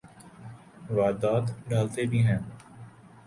واردات ڈالتے بھی ہیں۔